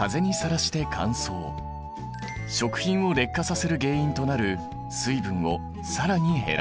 食品を劣化させる原因となる水分を更に減らす。